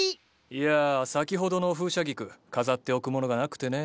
いや先ほどの風車菊飾っておくものがなくてね。